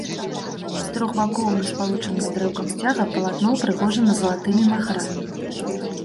З трох бакоў, не спалучаных з дрэўкам сцяга, палатно ўпрыгожана залатымі махрамі.